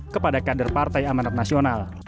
kepada kader partai amanat nasional